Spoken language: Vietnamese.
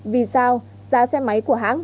vì sao giá xe máy của hãng